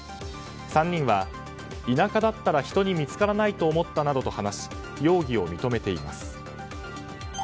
３人は、田舎だったら人に見つからないと思ったなどと話し容疑を認めています。